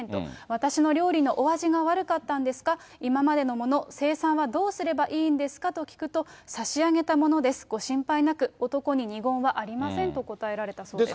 私の料理のお味が悪かったんですか、今までのもの、清算はどうすればいいんですかと聞くと、差し上げたものです、ご心配なく、男に二言はありませんと答えられたそうです。